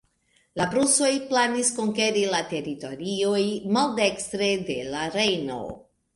La prusoj planis konkeri la teritorioj maldekstre de la Rejno.